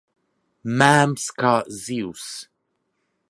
Mēms kā zivs.